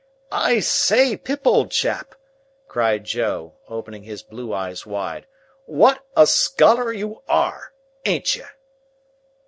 "I say, Pip, old chap!" cried Joe, opening his blue eyes wide, "what a scholar you are! An't you?"